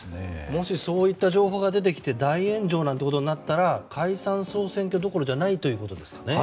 もし、そういった情報が出てきて大炎上なんてことになったら解散・総選挙どころじゃないということですかね。